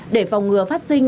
để phòng ngừa phát sinh